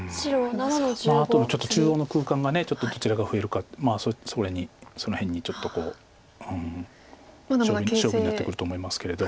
あと中央の空間がちょっとどちらが増えるかその辺にちょっと勝負になってくると思いますけれど。